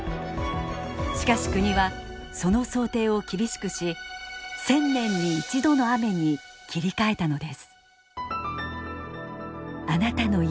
しかし国はその想定を厳しくし１０００年に１度の雨に切り替えたのです。